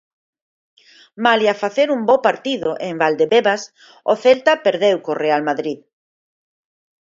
Malia facer un bo partido en Valdebebas, o Celta perdeu co Real Madrid.